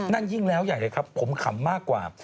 นั่นยิ่งแล้วใหญ่เลยครับผมขำมากกว่า